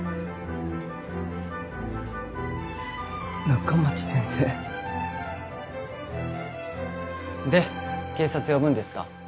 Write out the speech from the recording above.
仲町先生？で警察呼ぶんですか？